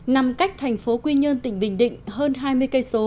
nằm cách thành phố quy nhơn tỉnh bình định hơn hai mươi km